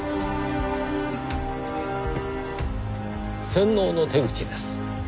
洗脳の手口です。